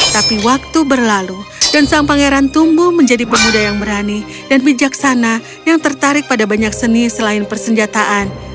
tapi waktu berlalu dan sang pangeran tumbuh menjadi pemuda yang berani dan bijaksana yang tertarik pada banyak seni selain persenjataan